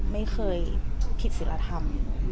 ไม่เคยผิดศิลธรรม